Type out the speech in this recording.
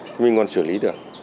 thì mình còn xử lý được